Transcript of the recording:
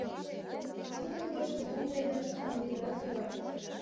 Тудын гоч бетон дене ыштыме йытыра кӱвар...